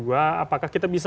kalau dilihat komposisi ya